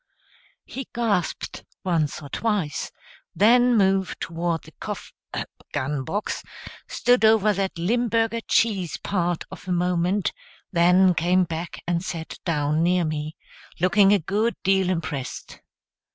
He gasped once or twice, then moved toward the cof gun box, stood over that Limburger cheese part of a moment, then came back and sat down near me, looking a good deal impressed.